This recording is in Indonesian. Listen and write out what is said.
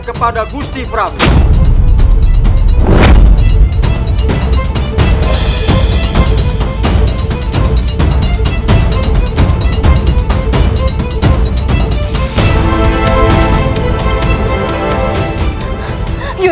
kepada gusti prabu